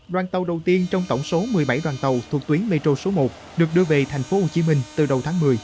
đoàn tàu đầu tiên trong tổng số một mươi bảy đoàn tàu thuộc tuyến metro số một được đưa về tp hcm từ đầu tháng một mươi